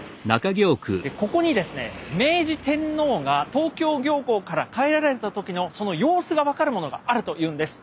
ここにですね明治天皇が東京行幸から帰られた時のその様子が分かるものがあるというんです。